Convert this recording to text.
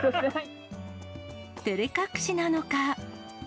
照れ隠しなのか。